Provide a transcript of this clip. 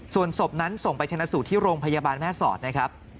ส่วนศพนั้นส่งไปชนะสูตรที่โรงพยาบาลแม่สอดนะครับ